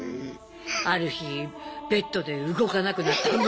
ある日ベッドで動かなくなったむ